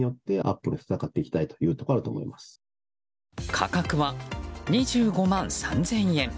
価格は２５万３０００円。